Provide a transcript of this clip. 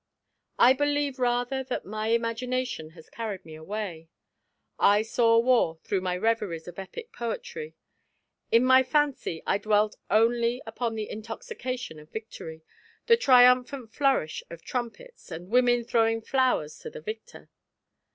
I believe rather that my imagination has carried me away. I saw war through my reveries of epic poetry. In my fancy I dwelt only upon the intoxication of victory, the triumphant flourish of trumpets and women throwing flowers to the victor.